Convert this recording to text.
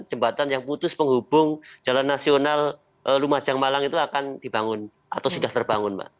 jembatan yang putus penghubung jalan nasional lumajang malang itu akan dibangun atau sudah terbangun